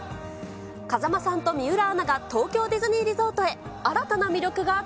風間さんと水卜アナが東京ディズニーリゾートへ。